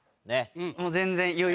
もう全然。